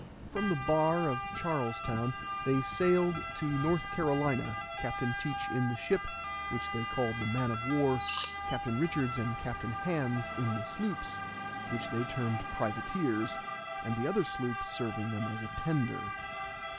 From the bar of Charles Town they sailed to North Carolina, Captain Teach in the ship, which they called the man of war, Captain Richards and Captain Hands in the sloops, which they termed privateers, and another sloop serving them as a tender.